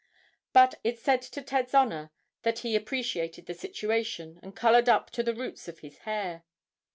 Be it said to Ted's honor that he appreciated the situation, and colored up to the roots of his hair.